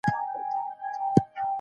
تاسي ولي له الله څخه ناهیلي سواست؟